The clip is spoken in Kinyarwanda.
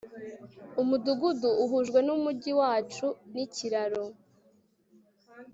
umudugudu uhujwe numujyi wacu nikiraro